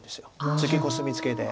次コスミツケで。